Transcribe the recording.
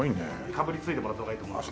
かぶりついてもらった方がいいと思います。